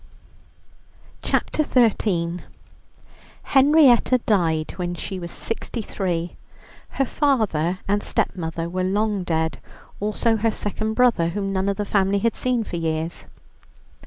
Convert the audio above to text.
CHAPTER XIII Henrietta died when she was sixty three. Her father and stepmother were long dead, also her second brother, whom none of the family had seen for years.